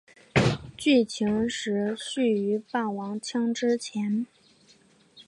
剧情时序于霸王枪之前。